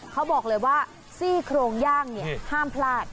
เขาบอกเลยว่าซี่โครงย่างห้ามพลาด